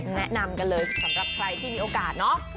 แนะนำกันเลยสำหรับใครที่มีโอกาสเนาะ